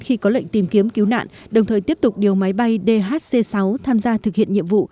khi có lệnh tìm kiếm cứu nạn đồng thời tiếp tục điều máy bay dhc sáu tham gia thực hiện nhiệm vụ